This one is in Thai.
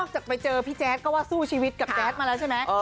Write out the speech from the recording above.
จากไปเจอพี่แจ๊ดก็ว่าสู้ชีวิตกับแจ๊ดมาแล้วใช่ไหม